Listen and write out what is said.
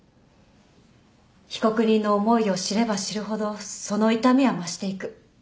被告人の思いを知れば知るほどその痛みは増していく。